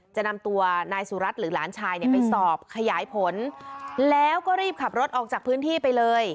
จะนำตัวนายสุรัตน์หรือหลานชายเนี่ยไปสอบขยายผลแล้วก็รีบขับรถออกจากพื้นที่ไปเลย